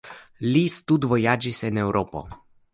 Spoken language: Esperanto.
Li studvojaĝis en Eŭropo.